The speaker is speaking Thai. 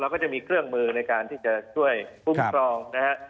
ก็จะมีเครื่องมือในการที่จะช่วยคุ้มครองนะฮะ